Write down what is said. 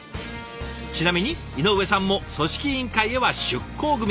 ちなみに井上さんも組織委員会へは出向組。